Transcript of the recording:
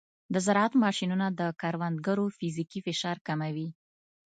د زراعت ماشینونه د کروندګرو فزیکي فشار کموي.